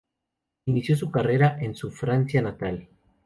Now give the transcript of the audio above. Inició su carrera en su Francia natal.